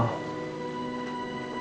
kita bisa berjalan